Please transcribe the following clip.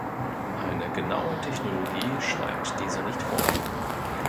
Eine genaue Technologie schreibt dieser nicht vor.